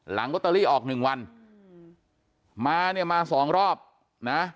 หลังก็ตะลี่ออก๑วันมาเนี่ยมา๒รอบนะ